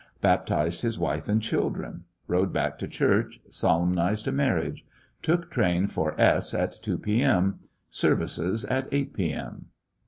Baptized his wife and children. Rode back to church, solemnized a marriage. Took train for S at 2 p.m. Services at 8 p.m.